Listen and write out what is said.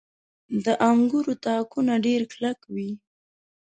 • د انګورو تاکونه ډېر کلک وي.